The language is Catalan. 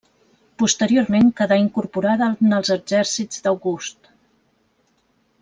Posteriorment quedà incorporada en els exèrcits d'August.